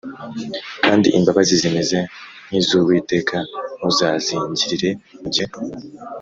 Kandi imbabazi zimeze nk’iz’Uwiteka ntuzazingirire mu gihe